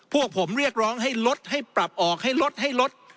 พวกผมเรียกร้องให้ลดให้ปรับออกให้ลดให้ลด